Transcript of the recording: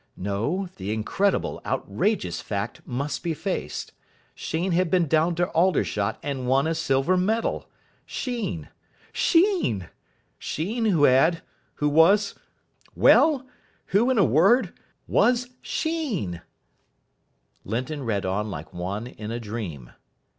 No, the incredible, outrageous fact must be faced. Sheen had been down to Aldershot and won a silver medal! Sheen! Sheen!! Sheen who had who was well, who, in a word, was SHEEN!!! Linton read on like one in a dream.